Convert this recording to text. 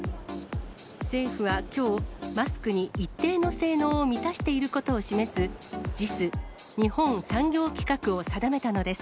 政府はきょう、マスクに一定の性能を満たしていることを示す、ＪＩＳ・日本産業規格を定めたのです。